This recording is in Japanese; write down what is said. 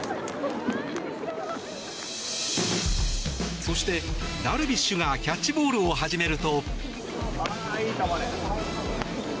そして、ダルビッシュがキャッチボールを始めると。